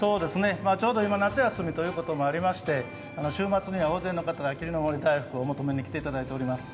ちょうど今、夏休みということもありまして、週末には大勢の方が霧の森大福をお求めに来てくれています。